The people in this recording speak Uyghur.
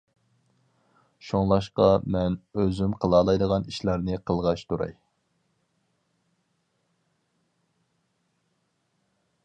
شۇڭلاشقا مەن ئۆزۈم قىلالايدىغان ئىشلارنى قىلغاچ تۇراي.